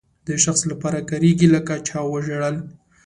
د شخص لپاره کاریږي لکه چا وژړل.